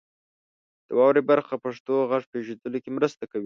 د واورئ برخه پښتو غږ پیژندلو کې مرسته کوي.